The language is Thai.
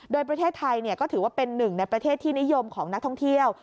โดยประเทศไทยก็ถือว่าเป็นหนึ่งในประเทศที่นิยมของนักท่องเที่ยว